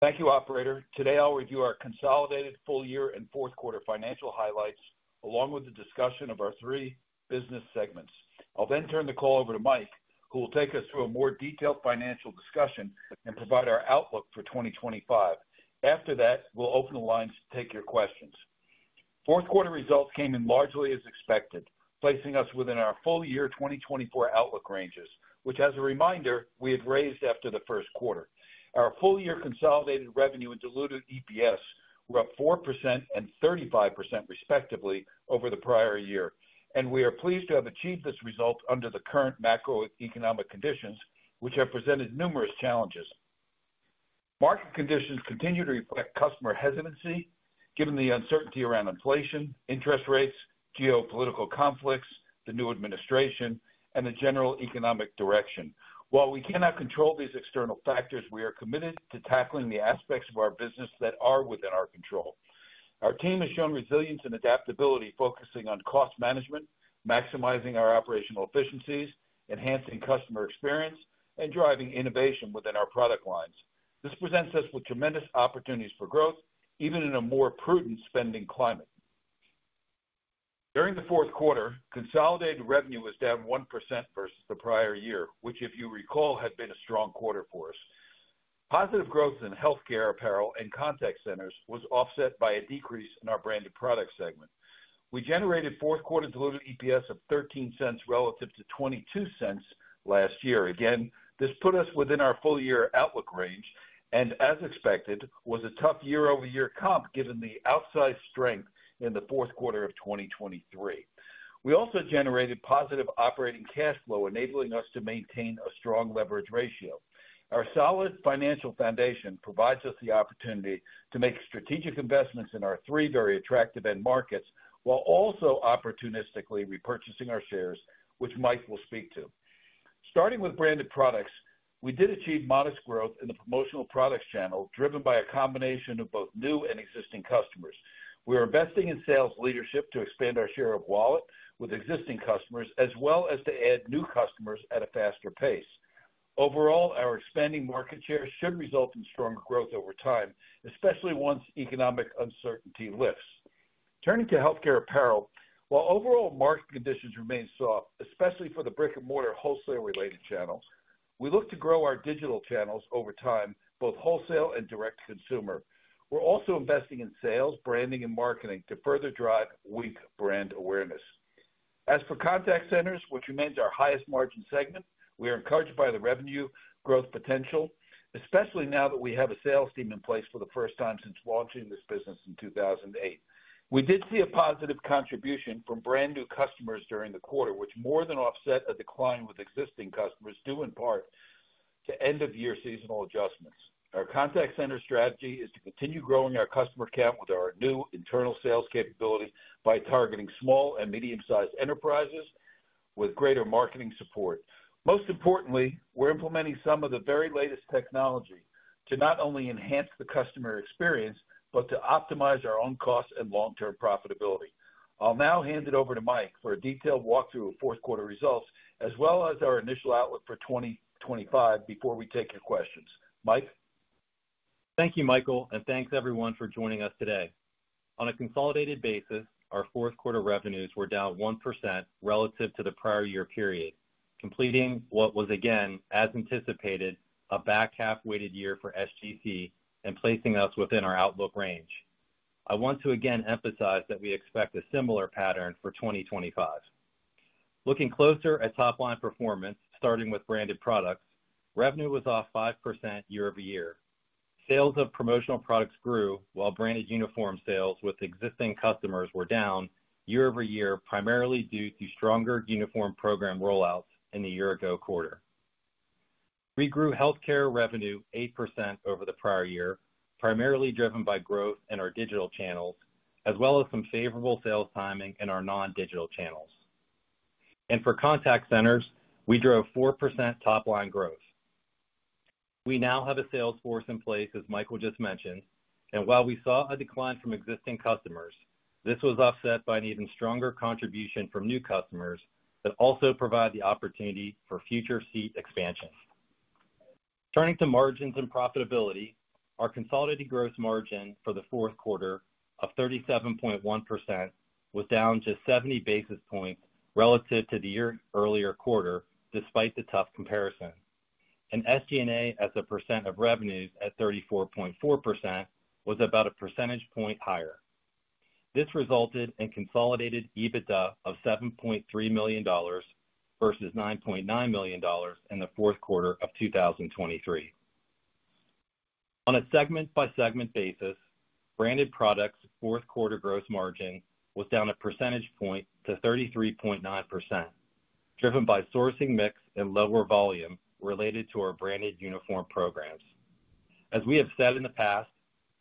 Thank you, Operator. Today I'll review our consolidated full-year and fourth quarter financial highlights, along with a discussion of our three business segments. I'll then turn the call over to Mike, who will take us through a more detailed financial discussion and provide our outlook for 2025. After that, we'll open the lines to take your questions. Fourth quarter results came in largely as expected, placing us within our full-year 2024 outlook ranges, which, as a reminder, we had raised after the first quarter. Our full-year consolidated revenue and diluted EPS were up 4% and 35%, respectively, over the prior year, and we are pleased to have achieved this result under the current macroeconomic conditions, which have presented numerous challenges. Market conditions continue to reflect customer hesitancy, given the uncertainty around inflation, interest rates, geopolitical conflicts, the new administration, and the general economic direction. While we cannot control these external factors, we are committed to tackling the aspects of our business that are within our control. Our team has shown resilience and adaptability, focusing on cost management, maximizing our operational efficiencies, enhancing customer experience, and driving innovation within our product lines. This presents us with tremendous opportunities for growth, even in a more prudent spending climate. During the fourth quarter, consolidated revenue was down 1% versus the prior year, which, if you recall, had been a strong quarter for us. Positive growth in healthcare apparel and contact centers was offset by a decrease in our branded product segment. We generated fourth quarter diluted EPS of $0.13 relative to $0.22 last year. Again, this put us within our full-year outlook range, and, as expected, was a tough year-over-year comp given the outsized strength in the fourth quarter of 2023. We also generated positive operating cash flow, enabling us to maintain a strong leverage ratio. Our solid financial foundation provides us the opportunity to make strategic investments in our three very attractive end markets while also opportunistically repurchasing our shares, which Mike will speak to. Starting with branded products, we did achieve modest growth in the promotional products channel, driven by a combination of both new and existing customers. We are investing in sales leadership to expand our share of wallet with existing customers, as well as to add new customers at a faster pace. Overall, our expanding market share should result in strong growth over time, especially once economic uncertainty lifts. Turning to healthcare apparel, while overall market conditions remain soft, especially for the brick-and-mortar wholesale-related channels, we look to grow our digital channels over time, both wholesale and direct-to-consumer. We're also investing in sales, branding, and marketing to further drive Wink brand awareness. As for contact centers, which remains our highest-margin segment, we are encouraged by the revenue growth potential, especially now that we have a sales team in place for the first time since launching this business in 2008. We did see a positive contribution from brand-new customers during the quarter, which more than offset a decline with existing customers, due in part to end-of-year seasonal adjustments. Our contact center strategy is to continue growing our customer count with our new internal sales capability by targeting small and medium-sized enterprises with greater marketing support. Most importantly, we're implementing some of the very latest technology to not only enhance the customer experience but to optimize our own costs and long-term profitability. I'll now hand it over to Mike for a detailed walkthrough of fourth quarter results, as well as our initial outlook for 2025, before we take your questions. Mike. Thank you, Michael, and thanks, everyone, for joining us today. On a consolidated basis, our fourth quarter revenues were down 1% relative to the prior year period, completing what was, again, as anticipated, a back-half-weighted year for SGC and placing us within our outlook range. I want to again emphasize that we expect a similar pattern for 2025. Looking closer at top-line performance, starting with branded products, revenue was off 5% year-over-year. Sales of promotional products grew, while branded uniform sales with existing customers were down year-over-year, primarily due to stronger uniform program rollouts in the year-ago quarter. We grew healthcare revenue 8% over the prior year, primarily driven by growth in our digital channels, as well as some favorable sales timing in our non-digital channels. For contact centers, we drove 4% top-line growth. We now have a sales force in place, as Michael just mentioned, and while we saw a decline from existing customers, this was offset by an even stronger contribution from new customers that also provide the opportunity for future seat expansion. Turning to margins and profitability, our consolidated gross margin for the fourth quarter of 37.1% was down just 70 basis points relative to the year-earlier quarter, despite the tough comparison. SG&A as a percent of revenues at 34.4% was about a percentage point higher. This resulted in consolidated EBITDA of $7.3 million versus $9.9 million in the fourth quarter of 2023. On a segment-by-segment basis, branded products' fourth quarter gross margin was down a percentage point to 33.9%, driven by sourcing mix and lower volume related to our branded uniform programs. As we have said in the past,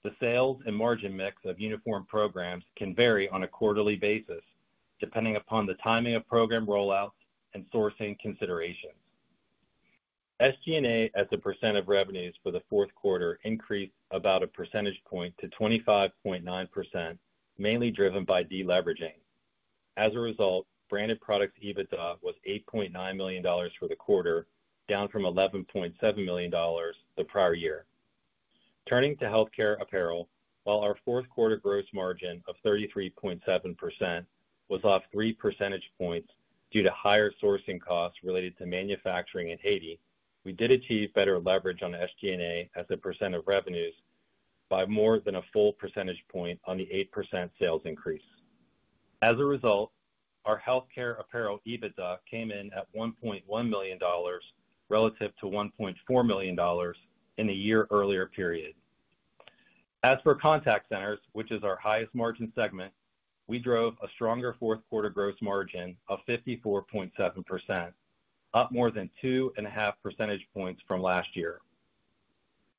the sales and margin mix of uniform programs can vary on a quarterly basis, depending upon the timing of program rollouts and sourcing considerations. SG&A as a percent of revenues for the fourth quarter increased about a percentage point to 25.9%, mainly driven by deleveraging. As a result, branded products' EBITDA was $8.9 million for the quarter, down from $11.7 million the prior year. Turning to healthcare apparel, while our fourth quarter gross margin of 33.7% was off 3 percentage points due to higher sourcing costs related to manufacturing in Haiti, we did achieve better leverage on SG&A as a percent of revenues by more than a full percentage point on the 8% sales increase. As a result, our healthcare apparel EBITDA came in at $1.1 million relative to $1.4 million in the year-earlier period. As for contact centers, which is our highest-margin segment, we drove a stronger fourth quarter gross margin of 54.7%, up more than two and a half percentage points from last year.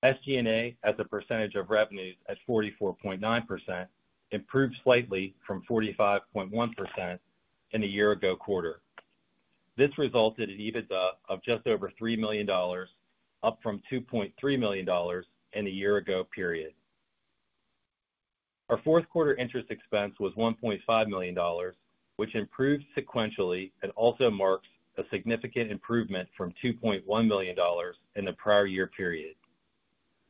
SG&A as a percentage of revenues at 44.9% improved slightly from 45.1% in the year-ago quarter. This resulted in EBITDA of just over $3 million, up from $2.3 million in the year-ago period. Our fourth quarter interest expense was $1.5 million, which improved sequentially and also marks a significant improvement from $2.1 million in the prior year period.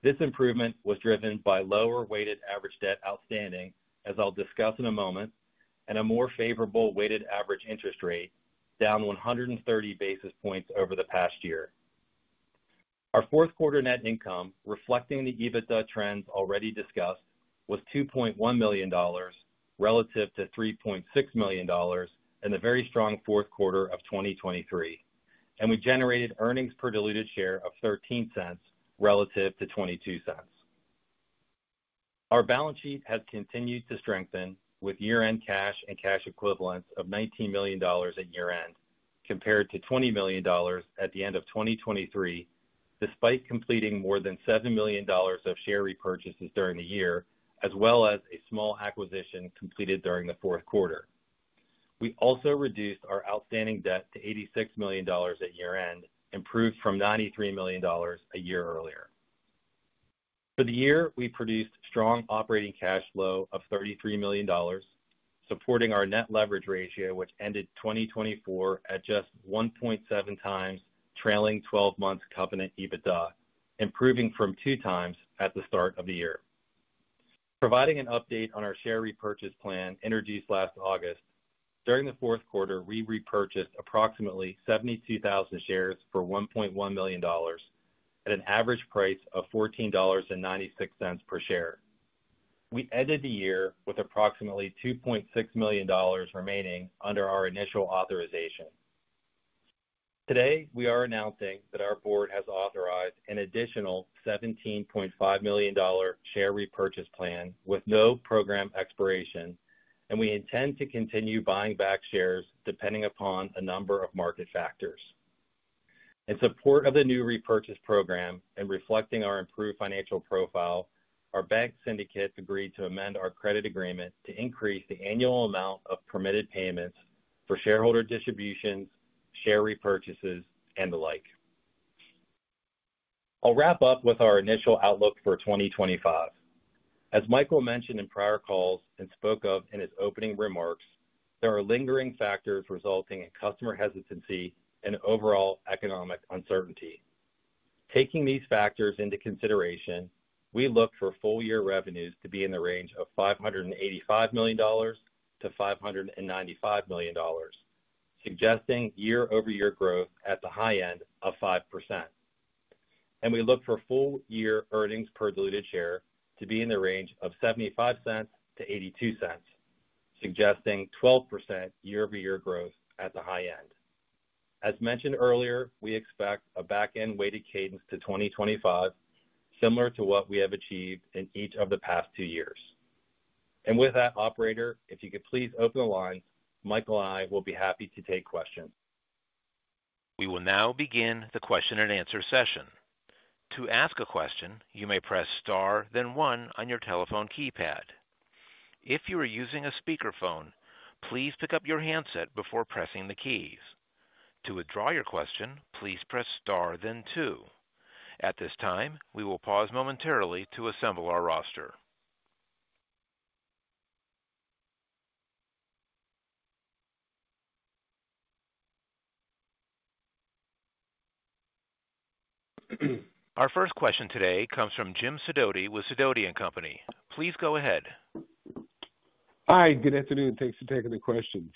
This improvement was driven by lower weighted average debt outstanding, as I'll discuss in a moment, and a more favorable weighted average interest rate, down 130 basis points over the past year. Our fourth quarter net income, reflecting the EBITDA trends already discussed, was $2.1 million relative to $3.6 million in the very strong fourth quarter of 2023, and we generated earnings per diluted share of $0.13 relative to $0.22. Our balance sheet has continued to strengthen, with year-end cash and cash equivalents of $19 million at year-end, compared to $20 million at the end of 2023, despite completing more than $7 million of share repurchases during the year, as well as a small acquisition completed during the fourth quarter. We also reduced our outstanding debt to $86 million at year-end, improved from $93 million a year earlier. For the year, we produced strong operating cash flow of $33 million, supporting our net leverage ratio, which ended 2024 at just 1.7 times trailing 12-month covenant EBITDA, improving from 2 times at the start of the year. Providing an update on our share repurchase plan introduced last August, during the fourth quarter, we repurchased approximately 72,000 shares for $1.1 million at an average price of $14.96 per share. We ended the year with approximately $2.6 million remaining under our initial authorization. Today, we are announcing that our board has authorized an additional $17.5 million share repurchase plan with no program expiration, and we intend to continue buying back shares depending upon a number of market factors. In support of the new repurchase program and reflecting our improved financial profile, our bank syndicate agreed to amend our credit agreement to increase the annual amount of permitted payments for shareholder distributions, share repurchases, and the like. I'll wrap up with our initial outlook for 2025. As Michael mentioned in prior calls and spoke of in his opening remarks, there are lingering factors resulting in customer hesitancy and overall economic uncertainty. Taking these factors into consideration, we look for full-year revenues to be in the range of $585 million-$595 million, suggesting year-over-year growth at the high end of 5%. We look for full-year earnings per diluted share to be in the range of $0.75-$0.82, suggesting 12% year-over-year growth at the high end. As mentioned earlier, we expect a back-end weighted cadence to 2025, similar to what we have achieved in each of the past two years. Operator, if you could please open the lines, Michael and I will be happy to take questions. We will now begin the question-and-answer session. To ask a question, you may press star, then one on your telephone keypad. If you are using a speakerphone, please pick up your handset before pressing the keys. To withdraw your question, please press star, then two. At this time, we will pause momentarily to assemble our roster. Our first question today comes from Jim Sidoti with Sidoti & Company. Please go ahead. Hi. Good afternoon. Thanks for taking the questions.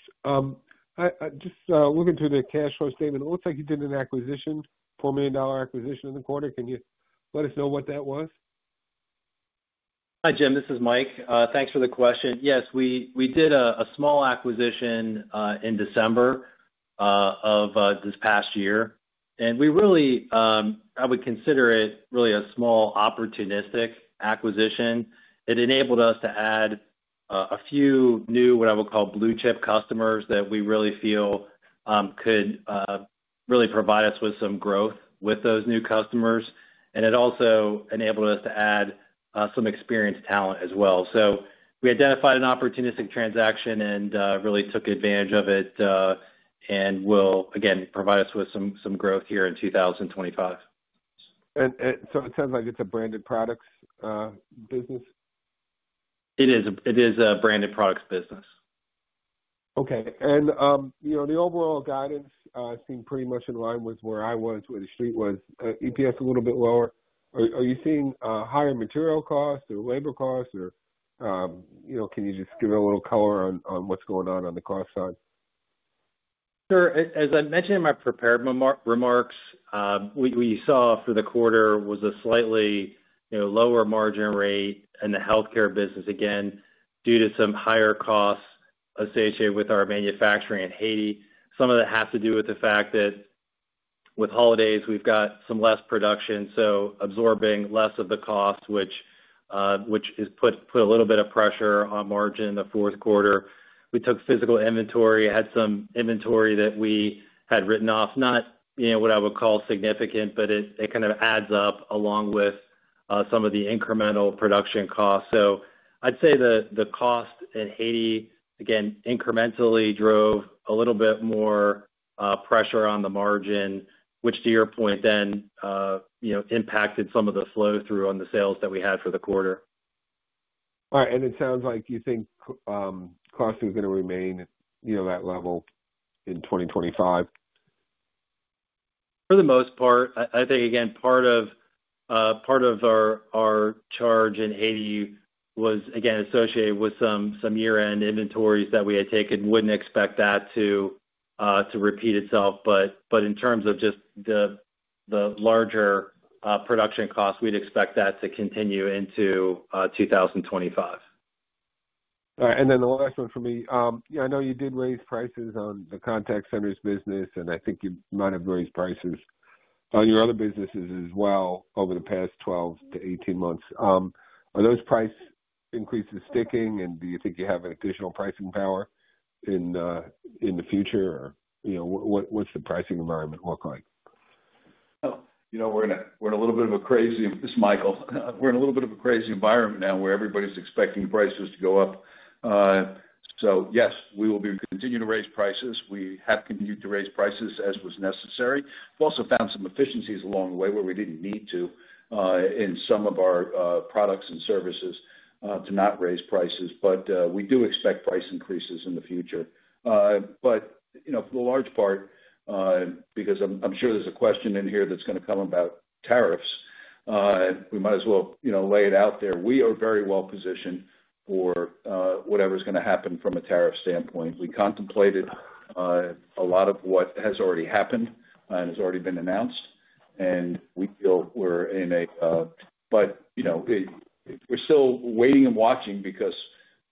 I'm just looking through the cash flow statement. It looks like you did an acquisition, $4 million acquisition in the quarter. Can you let us know what that was? Hi, Jim. This is Mike. Thanks for the question. Yes, we did a small acquisition in December of this past year. I would consider it really a small opportunistic acquisition. It enabled us to add a few new, what I would call, blue-chip customers that we really feel could really provide us with some growth with those new customers. It also enabled us to add some experienced talent as well. We identified an opportunistic transaction and really took advantage of it and will, again, provide us with some growth here in 2025. It sounds like it's a branded products business? It is. It is a branded products business. Okay. The overall guidance seemed pretty much in line with where I was, where the street was. EPS a little bit lower. Are you seeing higher material costs or labor costs? Can you just give a little color on what's going on on the cost side? Sure. As I mentioned in my prepared remarks, what we saw for the quarter was a slightly lower margin rate in the healthcare business, again, due to some higher costs, especially with our manufacturing in Haiti. Some of that has to do with the fact that with holidays, we've got some less production, so absorbing less of the cost, which put a little bit of pressure on margin in the fourth quarter. We took physical inventory, had some inventory that we had written off, not what I would call significant, but it kind of adds up along with some of the incremental production costs. I'd say the cost in Haiti, again, incrementally drove a little bit more pressure on the margin, which, to your point, then impacted some of the flow-through on the sales that we had for the quarter. All right. It sounds like you think costing is going to remain at that level in 2025? For the most part. I think, again, part of our charge in Haiti was, again, associated with some year-end inventories that we had taken. Would not expect that to repeat itself. In terms of just the larger production costs, we would expect that to continue into 2025. All right. The last one for me. I know you did raise prices on the contact centers business, and I think you might have raised prices on your other businesses as well over the past 12 to 18 months. Are those price increases sticking, and do you think you have additional pricing power in the future? What does the pricing environment look like? We're in a little bit of a crazy environment now where everybody's expecting prices to go up. Yes, we will continue to raise prices. We have continued to raise prices as was necessary. We've also found some efficiencies along the way where we didn't need to in some of our products and services to not raise prices. We do expect price increases in the future. For the large part, because I'm sure there's a question in here that's going to come about tariffs, we might as well lay it out there. We are very well positioned for whatever's going to happen from a tariff standpoint. We contemplated a lot of what has already happened and has already been announced, and we feel we're in a—but we're still waiting and watching because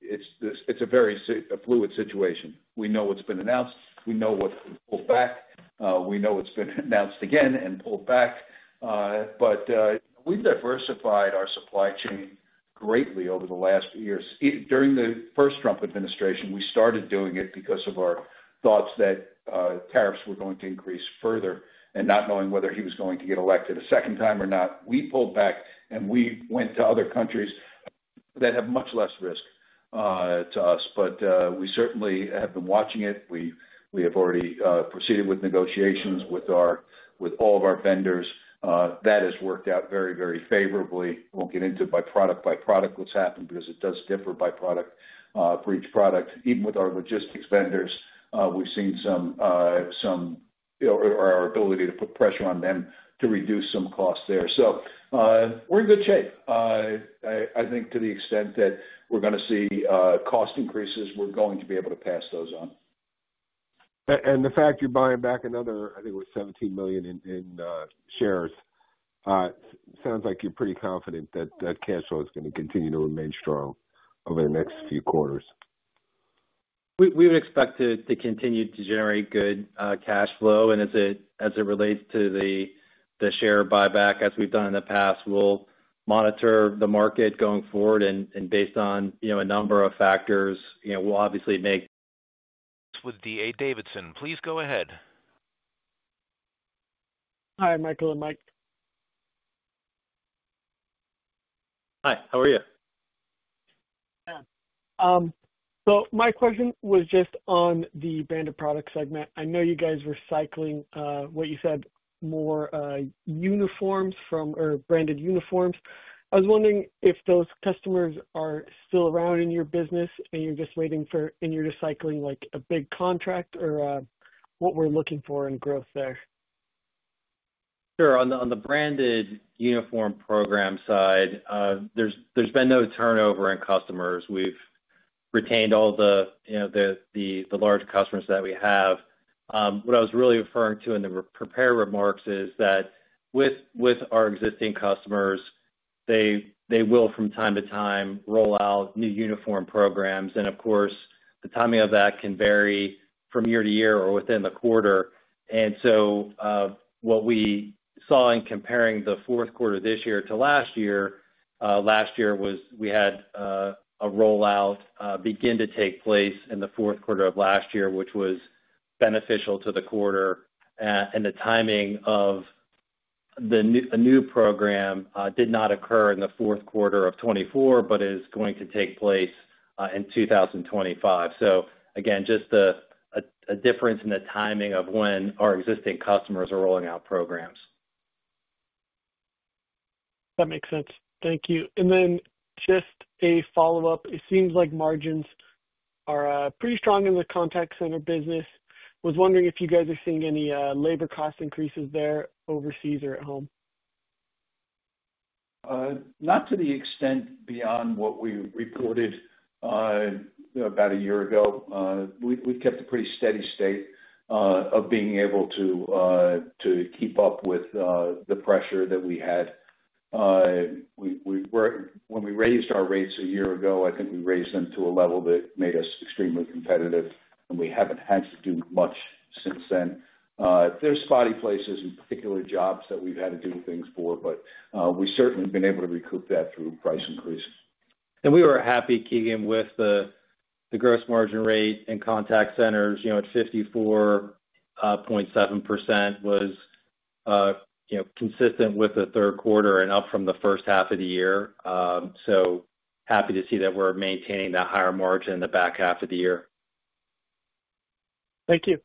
it's a very fluid situation. We know what's been announced. We know what's been pulled back. We know what's been announced again and pulled back. We have diversified our supply chain greatly over the last years. During the first Trump administration, we started doing it because of our thoughts that tariffs were going to increase further and not knowing whether he was going to get elected a second time or not. We pulled back, and we went to other countries that have much less risk to us. We certainly have been watching it. We have already proceeded with negotiations with all of our vendors. That has worked out very, very favorably. We will not get into by product, by product what's happened because it does differ by product for each product. Even with our logistics vendors, we have seen some—or our ability to put pressure on them to reduce some costs there. We are in good shape. I think to the extent that we are going to see cost increases, we are going to be able to pass those on. The fact you're buying back another, I think it was $17 million in shares, sounds like you're pretty confident that that cash flow is going to continue to remain strong over the next few quarters. We would expect to continue to generate good cash flow. As it relates to the share buyback, as we've done in the past, we'll monitor the market going forward. Based on a number of factors, we'll obviously make. This was D.A. Davidson. Please go ahead. Hi, Michael and Mike. Hi. How are you? Yeah. My question was just on the branded products segment. I know you guys were cycling what you said, more uniforms from or branded uniforms. I was wondering if those customers are still around in your business and you're just waiting for—you are just cycling a big contract or what we are looking for in growth there? Sure. On the branded uniform program side, there's been no turnover in customers. We've retained all the large customers that we have. What I was really referring to in the prepared remarks is that with our existing customers, they will, from time to time, roll out new uniform programs. Of course, the timing of that can vary from year-to-year or within the quarter. What we saw in comparing the fourth quarter this year to last year, last year was we had a rollout begin to take place in the fourth quarter of last year, which was beneficial to the quarter. The timing of a new program did not occur in the fourth quarter of 2024, but is going to take place in 2025. Again, just a difference in the timing of when our existing customers are rolling out programs. That makes sense. Thank you. Just a follow-up. It seems like margins are pretty strong in the contact center business. I was wondering if you guys are seeing any labor cost increases there overseas or at home? Not to the extent beyond what we reported about a year ago. We have kept a pretty steady state of being able to keep up with the pressure that we had. When we raised our rates a year ago, I think we raised them to a level that made us extremely competitive. We have not had to do much since then. There are spotty places in particular jobs that we have had to do things for, but we have certainly been able to recoup that through price increases. We were happy keeping with the gross margin rate in contact centers. It is 54.7%, was consistent with the third quarter and up from the first half of the year. Happy to see that we are maintaining that higher margin in the back half of the year. Thank you.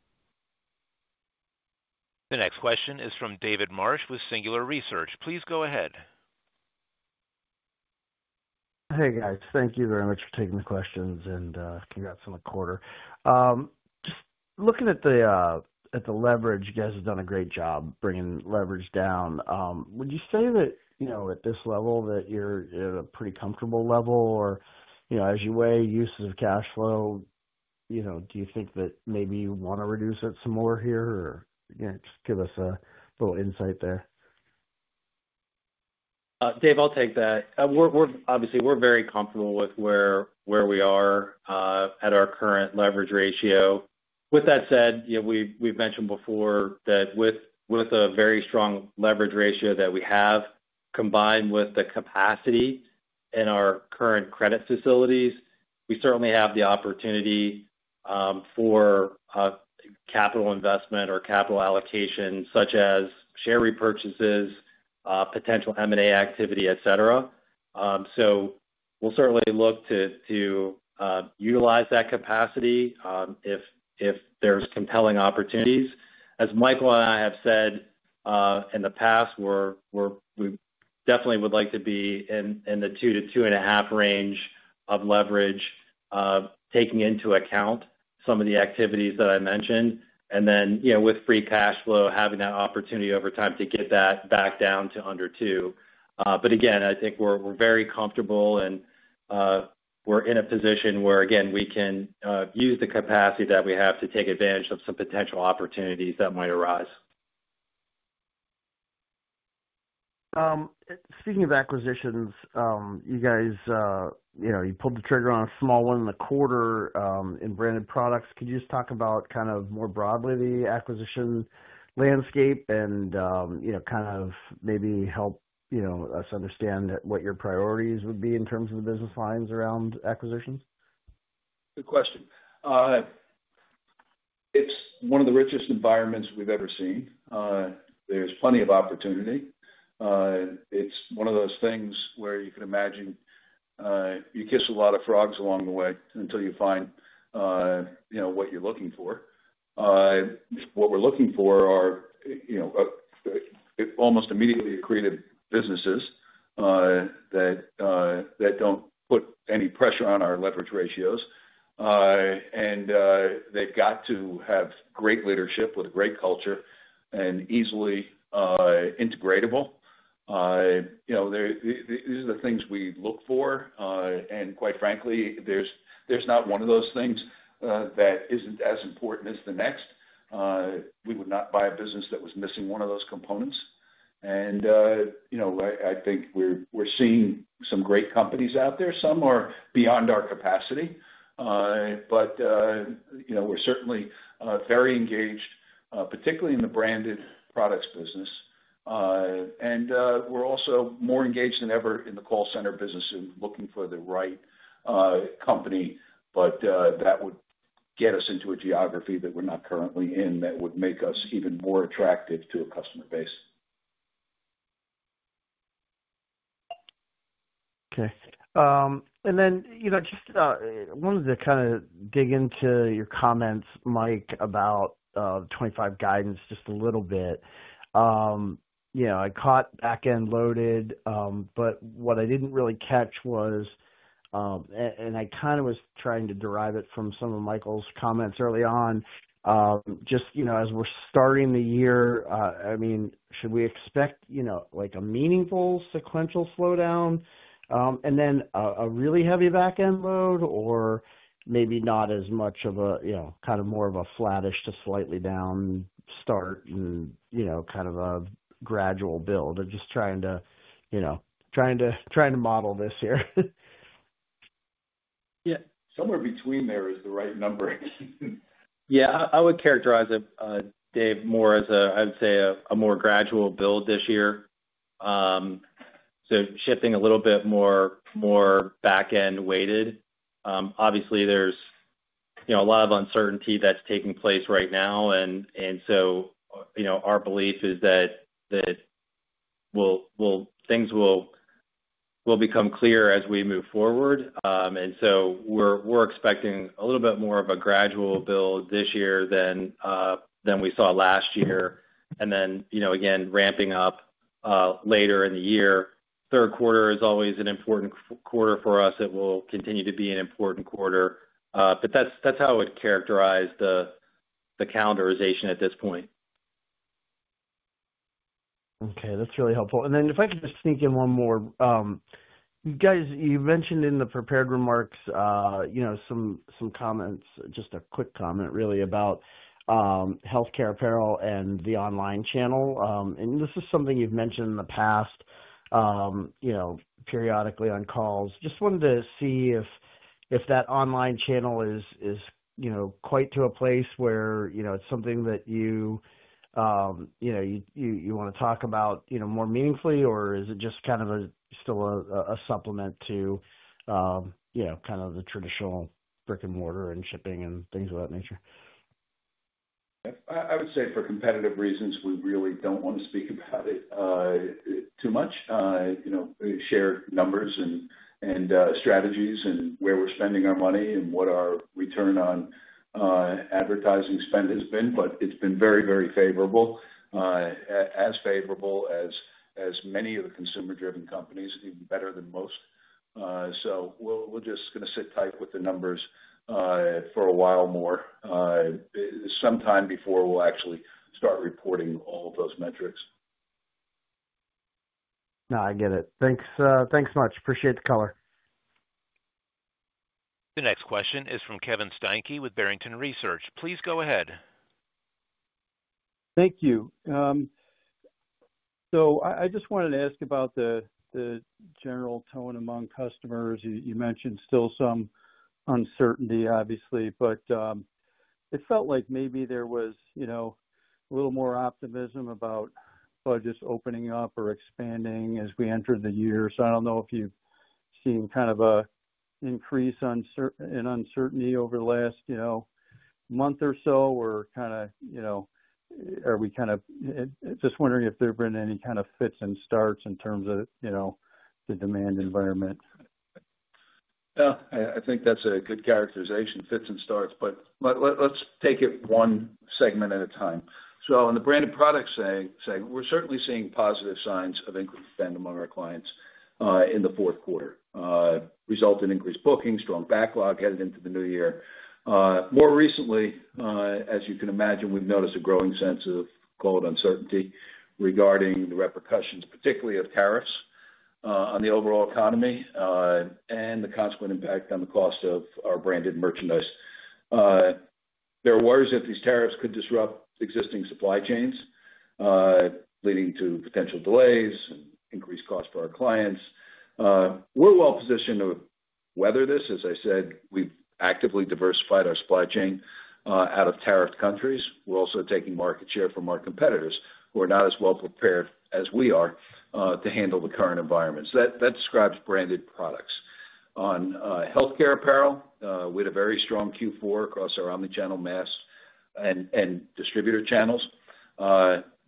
The next question is from David Marsh with Singular Research. Please go ahead. Hey, guys. Thank you very much for taking the questions and congrats on the quarter. Just looking at the leverage, you guys have done a great job bringing leverage down. Would you say that at this level that you're at a pretty comfortable level? As you weigh uses of cash flow, do you think that maybe you want to reduce it some more here? Just give us a little insight there. Dave, I'll take that. Obviously, we're very comfortable with where we are at our current leverage ratio. With that said, we've mentioned before that with a very strong leverage ratio that we have, combined with the capacity in our current credit facilities, we certainly have the opportunity for capital investment or capital allocation, such as share repurchases, potential M&A activity, etc. We'll certainly look to utilize that capacity if there's compelling opportunities. As Michael and I have said in the past, we definitely would like to be in the two to two and a half range of leverage, taking into account some of the activities that I mentioned. With free cash flow, having that opportunity over time to get that back down to under two. I think we're very comfortable and we're in a position where, again, we can use the capacity that we have to take advantage of some potential opportunities that might arise. Speaking of acquisitions, you guys pulled the trigger on a small one in the quarter in branded products. Could you just talk about kind of more broadly the acquisition landscape and kind of maybe help us understand what your priorities would be in terms of the business lines around acquisitions? Good question. It's one of the richest environments we've ever seen. There's plenty of opportunity. It's one of those things where you can imagine you kiss a lot of frogs along the way until you find what you're looking for. What we're looking for are almost immediately accretive businesses that don't put any pressure on our leverage ratios. They've got to have great leadership with a great culture and be easily integratable. These are the things we look for. Quite frankly, there's not one of those things that isn't as important as the next. We would not buy a business that was missing one of those components. I think we're seeing some great companies out there. Some are beyond our capacity. We're certainly very engaged, particularly in the branded products business. We are also more engaged than ever in the call center business and looking for the right company that would get us into a geography that we are not currently in that would make us even more attractive to a customer base. Okay. I just wanted to kind of dig into your comments, Mike, about the 2025 guidance just a little bit. I caught backend loaded, but what I did not really catch was, and I kind of was trying to derive it from some of Michael's comments early on, just as we are starting the year, I mean, should we expect a meaningful sequential slowdown and then a really heavy backend load or maybe not as much of a kind of more of a flattish to slightly down start and kind of a gradual build? I am just trying to model this here. Yeah. Somewhere between there is the right number. Yeah. I would characterize it, Dave, more as a, I would say, a more gradual build this year. Shifting a little bit more backend-weighted. Obviously, there's a lot of uncertainty that's taking place right now. Our belief is that things will become clear as we move forward. We're expecting a little bit more of a gradual build this year than we saw last year. Again, ramping up later in the year. Third quarter is always an important quarter for us. It will continue to be an important quarter. That's how I would characterize the calendarization at this point. Okay. That's really helpful. If I could just sneak in one more. You mentioned in the prepared remarks some comments, just a quick comment really about healthcare apparel and the online channel. This is something you've mentioned in the past periodically on calls. I just wanted to see if that online channel is quite to a place where it's something that you want to talk about more meaningfully, or is it just kind of still a supplement to kind of the traditional brick and mortar and shipping and things of that nature? I would say for competitive reasons, we really do not want to speak about it too much. We share numbers and strategies and where we are spending our money and what our return on advertising spend has been. It has been very, very favorable, as favorable as many of the consumer-driven companies, even better than most. We are just going to sit tight with the numbers for a while more, sometime before we will actually start reporting all of those metrics. No, I get it. Thanks much. Appreciate the color. The next question is from Kevin Steinke with Barrington Research. Please go ahead. Thank you. I just wanted to ask about the general tone among customers. You mentioned still some uncertainty, obviously, but it felt like maybe there was a little more optimism about budgets opening up or expanding as we enter the year. I do not know if you've seen kind of an increase in uncertainty over the last month or so, or are we just wondering if there have been any kind of fits and starts in terms of the demand environment? Yeah. I think that's a good characterization, fits and starts. Let's take it one segment at a time. On the branded product side, we're certainly seeing positive signs of increased spend among our clients in the fourth quarter, resulting in increased booking, strong backlog headed into the new year. More recently, as you can imagine, we've noticed a growing sense of, call it, uncertainty regarding the repercussions, particularly of tariffs on the overall economy and the consequent impact on the cost of our branded merchandise. There are worries that these tariffs could disrupt existing supply chains, leading to potential delays and increased costs for our clients. We're well positioned to weather this. As I said, we've actively diversified our supply chain out of tariffed countries. We're also taking market share from our competitors who are not as well prepared as we are to handle the current environment. That describes branded products. On healthcare apparel, we had a very strong Q4 across our omnichannel, mass and distributor channels.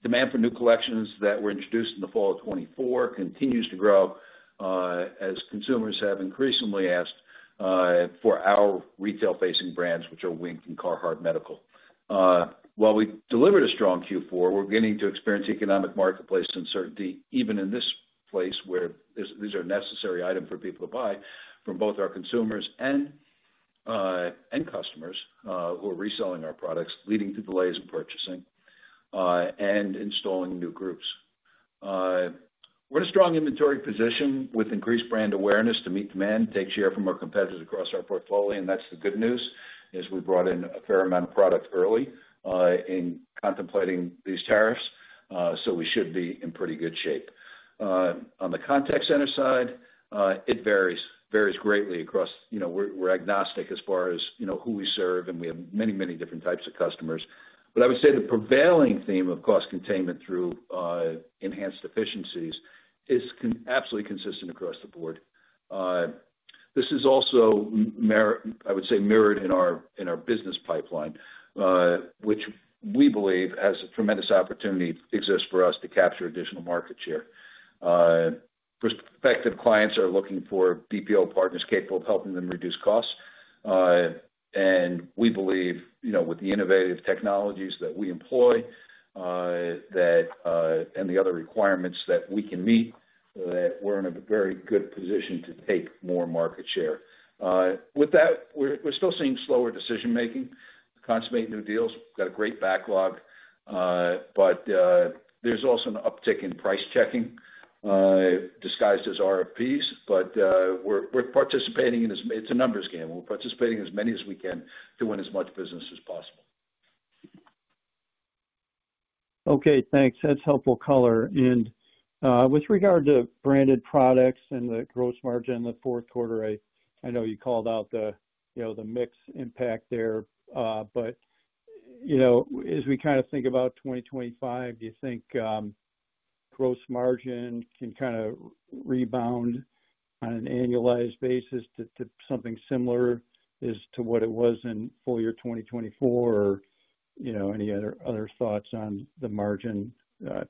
Demand for new collections that were introduced in the fall of 2024 continues to grow as consumers have increasingly asked for our retail-facing brands, which are Wink and Carhartt Medical. While we delivered a strong Q4, we're beginning to experience economic marketplace uncertainty, even in this place where these are necessary items for people to buy from both our consumers and customers who are reselling our products, leading to delays in purchasing and installing new groups. We're in a strong inventory position with increased brand awareness to meet demand, take share from our competitors across our portfolio. The good news is we brought in a fair amount of product early in contemplating these tariffs. We should be in pretty good shape. On the contact center side, it varies greatly across. We're agnostic as far as who we serve, and we have many, many different types of customers. I would say the prevailing theme of cost containment through enhanced efficiencies is absolutely consistent across the board. This is also, I would say, mirrored in our business pipeline, which we believe has a tremendous opportunity to exist for us to capture additional market share. Prospective clients are looking for BPO partners capable of helping them reduce costs. We believe with the innovative technologies that we employ and the other requirements that we can meet, that we're in a very good position to take more market share. With that, we're still seeing slower decision-making, consummate new deals. We've got a great backlog. There's also an uptick in price checking, disguised as RFPs. We're participating in a numbers game. We're participating in as many as we can to win as much business as possible. Okay. Thanks. That's helpful color. With regard to branded products and the gross margin in the fourth quarter, I know you called out the mixed impact there. As we kind of think about 2025, do you think gross margin can kind of rebound on an annualized basis to something similar as to what it was in full year 2024? Any other thoughts on the margin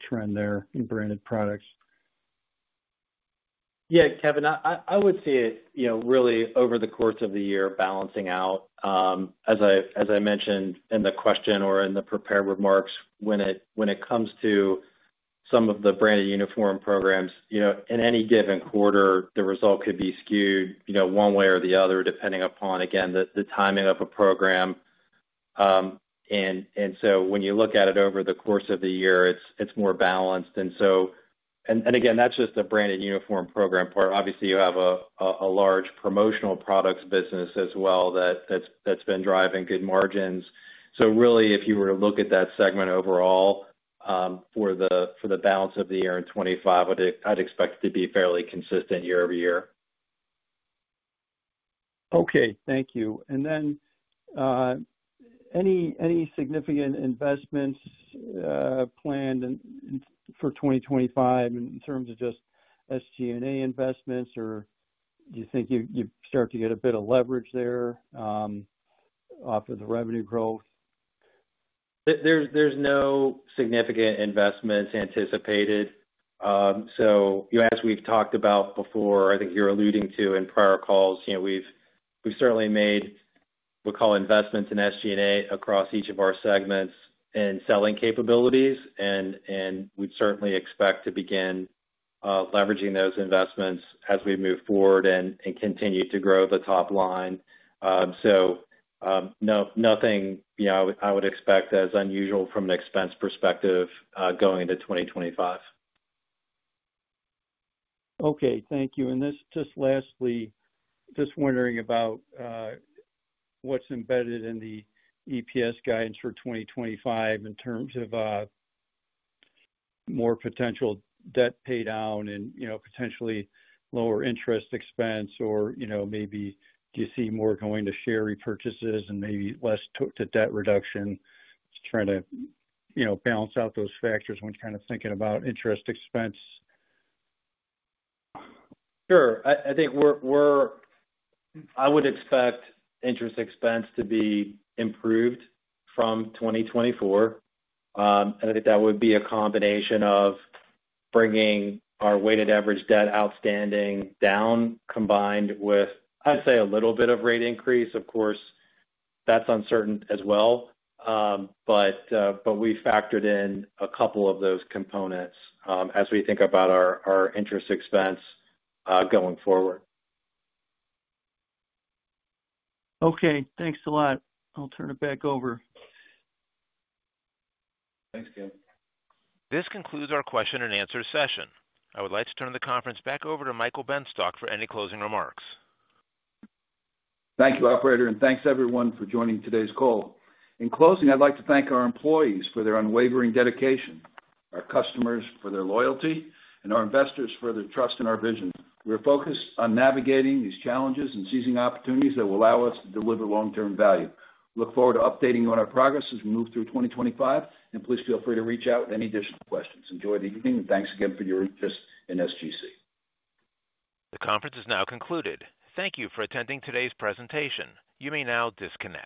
trend there in branded products? Yeah, Kevin, I would see it really over the course of the year balancing out, as I mentioned in the question or in the prepared remarks, when it comes to some of the branded uniform programs, in any given quarter, the result could be skewed one way or the other, depending upon, again, the timing of a program. When you look at it over the course of the year, it's more balanced. That's just the branded uniform program part. Obviously, you have a large promotional products business as well that's been driving good margins. If you were to look at that segment overall for the balance of the year in 2025, I'd expect it to be fairly consistent year-over-year. Thank you. And then any significant investments planned for 2025 in terms of just SG&A investments, or do you think you've started to get a bit of leverage there off of the revenue growth? There's no significant investments anticipated. As we've talked about before, I think you're alluding to in prior calls, we've certainly made what we call investments in SG&A across each of our segments and selling capabilities. We'd certainly expect to begin leveraging those investments as we move forward and continue to grow the top line. Nothing I would expect as unusual from an expense perspective going into 2025. Okay. Thank you. Just lastly, just wondering about what's embedded in the EPS guidance for 2025 in terms of more potential debt pay down and potentially lower interest expense. Maybe do you see more going to share repurchases and maybe less to debt reduction? Just trying to balance out those factors when kind of thinking about interest expense. Sure. I think I would expect interest expense to be improved from 2024. I think that would be a combination of bringing our weighted average debt outstanding down, combined with, I'd say, a little bit of rate increase. Of course, that's uncertain as well. We factored in a couple of those components as we think about our interest expense going forward. Okay. Thanks a lot. I'll turn it back over. Thanks, Kevin. This concludes our question and answer session. I would like to turn the conference back over to Michael Benstock for any closing remarks. Thank you, Operator. Thank you, everyone, for joining today's call. In closing, I'd like to thank our employees for their unwavering dedication, our customers for their loyalty, and our investors for their trust in our vision. We are focused on navigating these challenges and seizing opportunities that will allow us to deliver long-term value. I look forward to updating you on our progress as we move through 2025. Please feel free to reach out with any additional questions. Enjoy the evening. Thank you again for your interest in SGC. The conference is now concluded. Thank you for attending today's presentation. You may now disconnect.